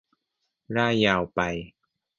ร่ายยาวไป